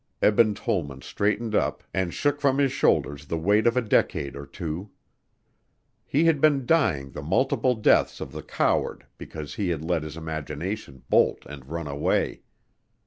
Eben Tollman straightened up, and shook from his shoulders the weight of a decade or two. He had been dying the multiple deaths of the coward because he had let his imagination bolt and run away.